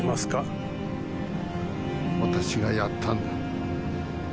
私がやったんだ。